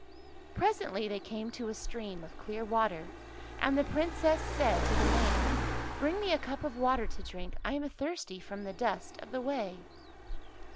[ 126 ] THE GOOSE GIRL Presently they came to a stream of clear water, and the Princess said to the maid, " Bring me a cup of water to drink. I am thirsty from the dust of the way."